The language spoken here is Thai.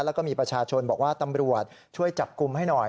แล้วก็มีประชาชนบอกว่าตำรวจช่วยจับกลุ่มให้หน่อย